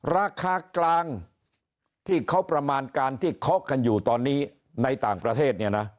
ราคากลางที่เขาประมาณการที่เคาะกันอยู่ตอนนี้ในต่างประเทศเนี่ยนะ